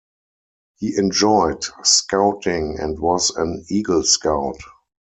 He enjoyed Scouting and was an Eagle Scout.